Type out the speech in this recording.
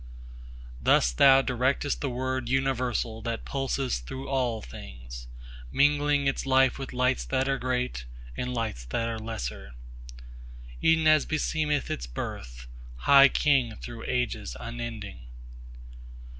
10Thus Thou directest the Word universal that pulses through all things, Mingling its life with Lights that are great and Lights that are lesser, E'en as besemeth its birth, High King through ages unending.